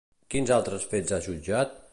Quins altres fets ha jutjat?